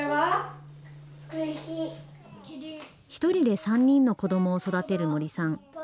１人で３人の子どもを育てる森さん。